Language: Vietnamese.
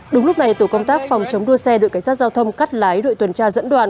đúng lúc này tổ công tác phòng chống đua xe đội cảnh sát giao thông cắt lái đội tuần tra dẫn đoàn